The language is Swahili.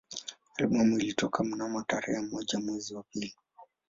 Albamu ilitoka mnamo tarehe moja mwezi wa pili